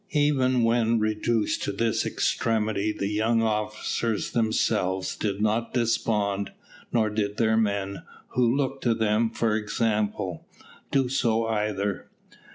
Even when reduced to this extremity the young officers themselves did not despond, nor did their men, who looked to them for example, do so either.